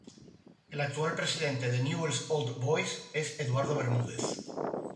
El actual Presidente de Newell's Old Boys es Eduardo Bermúdez.